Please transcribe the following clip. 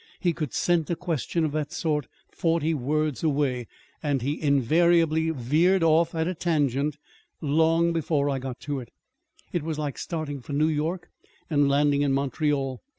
He could scent a question of that sort forty words away; and he invariably veered off at a tangent long before I got to it. It was like starting for New York and landing in Montreal!